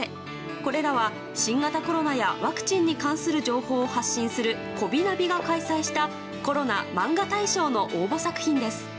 これらは新型コロナやワクチンに関する情報を発信するこびナビが開催したコロナマンガ大賞の応募作品です。